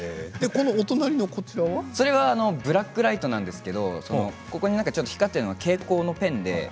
ブラックライトなんですけれども光っているのが蛍光のペンです。